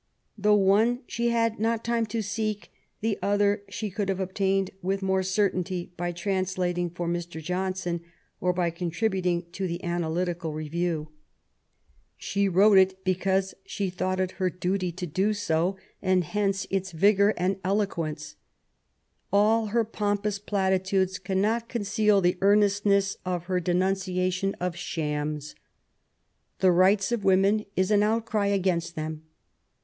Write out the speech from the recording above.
The one she had not time to seek ; the other she could have obtained with more certainty by translating for Mr. Johnson, or by contributing to the Analytical Review. She wrote it because she thought it her duty to do so, 7 ♦ 100 MABY W0LL8T0NEGBAFT GODWIN. and hence its yigour and eloquence. All her pompous platitudes cannot conceal the earnestness of her denun ciation of shams. The Rights of Women is an outcry against them.